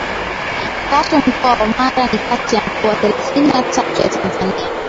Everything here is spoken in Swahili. tatu Mkoa wa Mara ni kati ya mikoa thelathini na tatu ya Tanzania